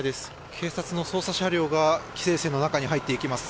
警察の捜査車両が規制線の中に入っていきます。